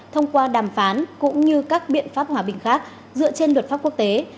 thông qua đàm phán cũng như các biện pháp hòa bình khác dựa trên luật pháp quốc tế